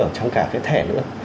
ở trong cả cái thẻ nữa